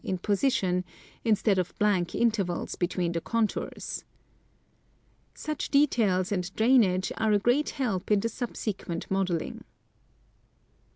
in position, instead of blank intervals between the contours. . Such details and drainage are a great help in the subsequent modeling.